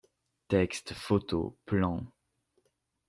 Textes, photos, plans…